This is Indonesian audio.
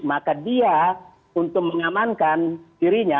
maka dia untuk mengamankan dirinya